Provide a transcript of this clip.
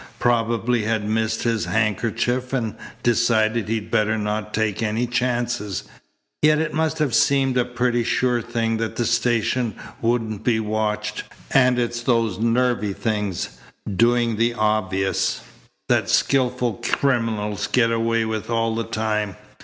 Probably had missed his handkerchief and decided he'd better not take any chances. Yet it must have seemed a pretty sure thing that the station wouldn't be watched, and it's those nervy things, doing the obvious, that skilful criminals get away with all the time.